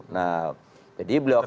nah jadi beliau kata